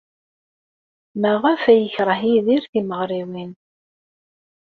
Maɣef ay yekṛeh Yidir timeɣriwin?